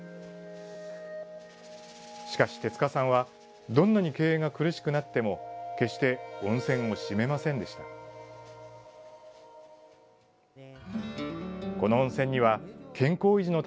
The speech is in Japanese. しかし、手塚さんはどんなに経営が苦しくなっても決して温泉を閉めませんでした。